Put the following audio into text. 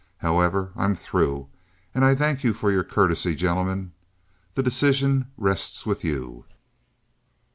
] However, I'm through, and I thank you for your courtesy. Gentlemen, the decision rests with you."